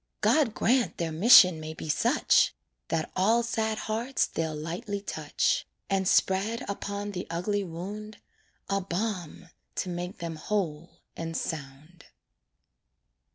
God grant their mission may be such! That all sad hearts they'll lightly touch, And spread upon the ugly wound A balm to make them whole and sound.